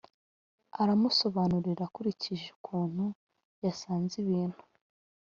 aramusobanurira akurikije ukuntu yasanze ibintu